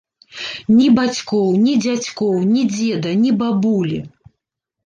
Ні бацькоў, ні дзядзькоў, ні дзеда, ні бабулі.